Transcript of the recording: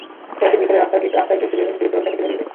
পরদিন বিকেলে রাস্তায় ঘুরতে বের হলে দুই তরুণ তাকে তুলে নিয়ে যায়।